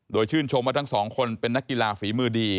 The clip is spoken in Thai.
โดยชื่นชมว่าทั้งสองคนเป็นนักกีฬาฝีมือดี